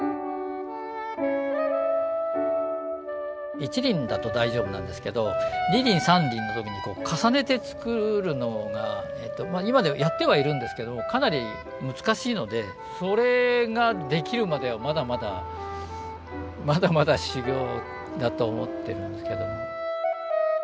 一輪だと大丈夫なんですけど二輪三輪の時に重ねて作るのが今ではやってはいるんですけどかなり難しいのでそれができるまではまだまだまだまだ修業だと思ってるんですけども。